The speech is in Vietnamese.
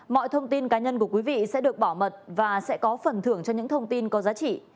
mọi thông tin cá nhân của quý vị sẽ được bảo mật và sẽ có phần thưởng cho những thông tin có giá trị